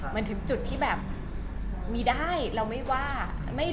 มันถึงจุดที่แบบมีได้เราไม่ว่า